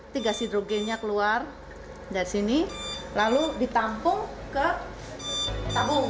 tiga sidrogennya keluar dari sini lalu ditampung ke tabung